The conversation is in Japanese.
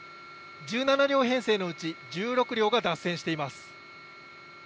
１７両編成のうち、１６両が脱線しています。